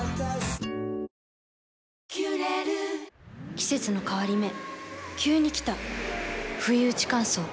季節の変わり目急に来たふいうち乾燥。